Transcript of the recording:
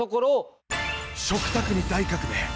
食卓に大革命！